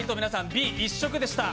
Ｂ一色でした。